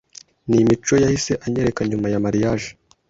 n’imico yahise anyereka nyuma ya mariage